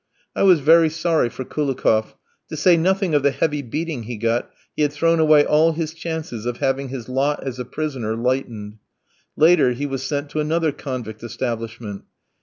I was very sorry for Koulikoff; to say nothing of the heavy beating he got; he had thrown away all his chances of having his lot as a prisoner lightened. Later he was sent to another convict establishment.